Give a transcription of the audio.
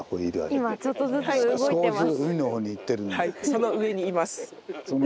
その上にいます。